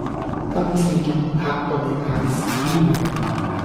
今次仲唔嚇到你瀨屎